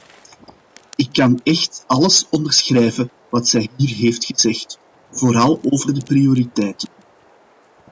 Ik kan echt alles onderschrijven wat zij hier heeft gezegd, vooral over de prioriteiten.